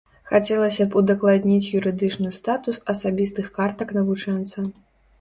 Хацелася б удакладніць юрыдычны статус асабістых картак навучэнца.